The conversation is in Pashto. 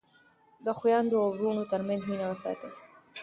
د خویندو او وروڼو ترمنځ مینه وساتئ.